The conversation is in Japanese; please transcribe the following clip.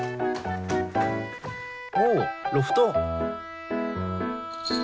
おおロフト。